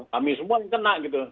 kami semua kena gitu